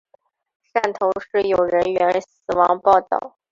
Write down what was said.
汕头市有人员死亡报导。